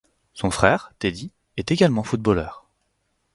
Son frère, Teddy, est également footballeur.